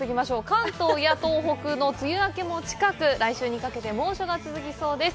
関東や東北の梅雨明けも近く、来週にかけて猛暑が続きそうです。